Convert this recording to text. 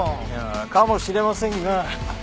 かもしれませんが。